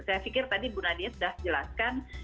saya pikir tadi bu nadia sudah jelaskan